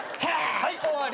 はい終わり。